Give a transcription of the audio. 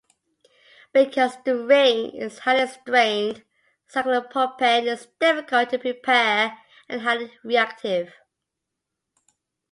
Because the ring is highly strained, cyclopropene is difficult to prepare and highly reactive.